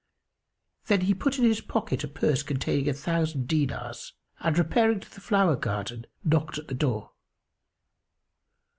Then he put in his pocket a purse containing a thousand dinars and, repairing to the flower garden, knocked at the door.